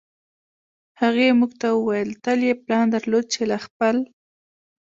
هغې موږ ته وویل تل یې پلان درلود چې له خپل